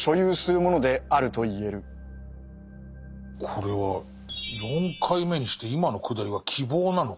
これは４回目にして今のくだりは希望なのか？